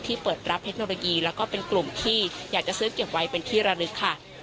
เปิดรับเทคโนโลยีแล้วก็เป็นกลุ่มที่อยากจะซื้อเก็บไว้เป็นที่ระลึกค่ะ